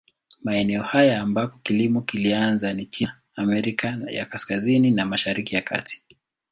Maeneo haya ambako kilimo kilianza ni China, Amerika ya Kaskazini na Mashariki ya Kati.